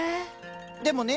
でもね